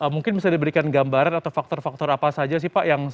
mungkin bisa diberikan gambaran atau faktor faktor apa saja sih pak